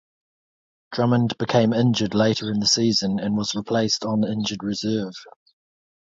Drummond became injured later in the season and was placed on injured reserve.